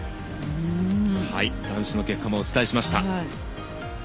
男子の結果お伝えしました。